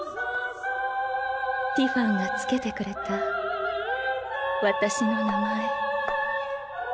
ティファンが付けてくれた私の名前。